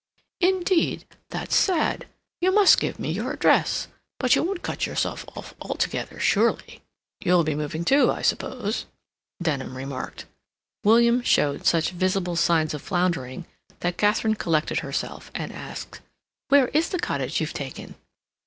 "Indeed?—that's sad.... You must give me your address. But you won't cut yourself off altogether, surely—" "You'll be moving, too, I suppose," Denham remarked. William showed such visible signs of floundering that Katharine collected herself and asked: "Where is the cottage you've taken?"